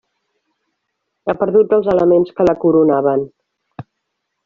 Ha perdut els elements que la coronaven.